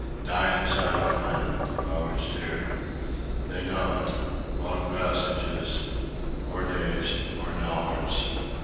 Die in sight of land. Always so. They know it long passage more days, more dollars.